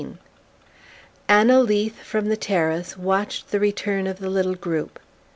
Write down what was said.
XVIII Anna Leath, from the terrace, watched the return of the little group.